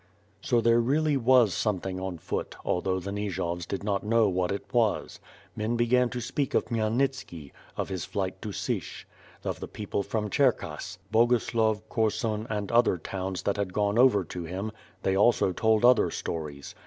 So there really was something on foot, although the Nijovs did not know what it was. Men began to speak of Khmyel nitski; of his flight to Sich; of the people from Cherkass; Boguslav, Korsun and other towns that had gone over to him — they also told other stories.